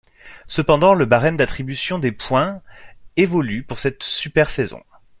Cependant, le barème d'attribution des points de points évolue pour cette super saison.